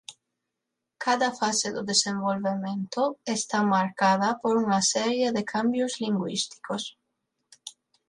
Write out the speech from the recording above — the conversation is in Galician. Cada fase do desenvolvemento está marcada por unha serie de cambios lingüísticos.